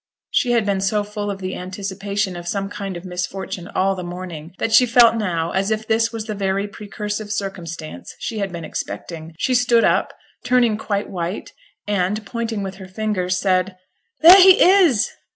She had been so full of the anticipation of some kind of misfortune all the morning that she felt now as if this was the very precursive circumstance she had been expecting; she stood up, turning quite white, and, pointing with her finger, said, 'There he is!'